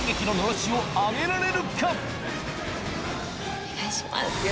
お願いします。